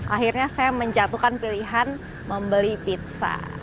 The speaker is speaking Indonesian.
akhirnya saya menjatuhkan pilihan membeli pizza